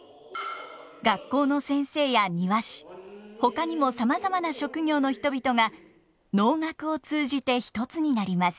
学校の先生や庭師ほかにもさまざまな職業の人々が能楽を通じて一つになります。